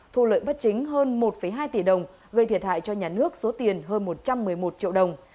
thu lợi bất chính hơn một hai tỷ đồng gây thiệt hại cho nhà nước số tiền hơn một trăm một mươi một triệu đồng